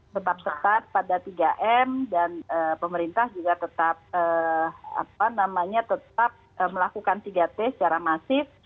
tetap tetap pada tiga m dan pemerintah juga tetap melakukan tiga t secara masif